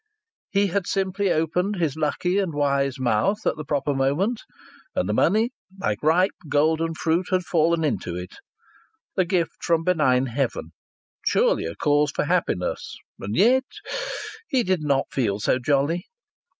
He had simply opened his lucky and wise mouth at the proper moment, and the money, like ripe, golden fruit, had fallen into it, a gift from benign heaven, surely a cause for happiness! And yet he did not feel so jolly!